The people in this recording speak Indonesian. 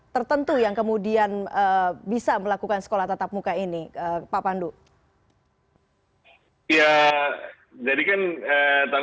ya tanggung jawabnya